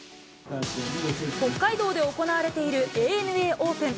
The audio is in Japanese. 北海道で行われているＡＮＡオープン。